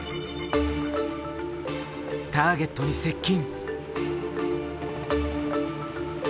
ターゲットに接近。